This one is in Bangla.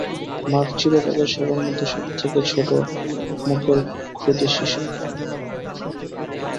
মার্ক ছিল তাদের সবার মধ্যে সবথেকে ছোট মুখের ক্ষুদে শিশু।